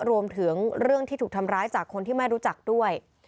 รวมถึงเรื่องที่ถูกทำร้ายจากคนที่แม่รู้จักด้วย